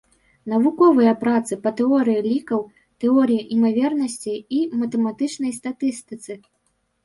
Навуковыя працы па тэорыі лікаў, тэорыі імавернасцей і матэматычнай статыстыцы.